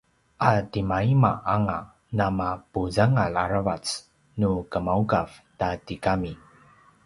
a timaima anga namapuzangal aravac nu gemaugav ta tigami